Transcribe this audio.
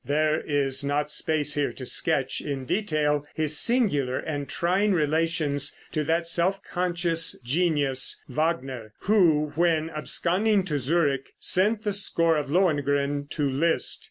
There is not space here to sketch in detail his singular and trying relations to that self conscious genius, Wagner, who, when absconding to Zurich, sent the score of "Lohengrin" to Liszt.